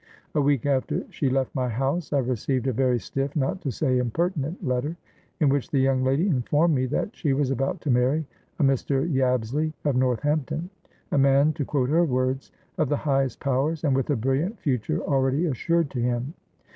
A week after she left my house, I received a very stiff (not to say impertinent) letter, in which the young lady informed me that she was about to marry a Mr. Yabsley of Northampton, a man (to quote her words) 'of the highest powers and with a brilliant future already assured to him.'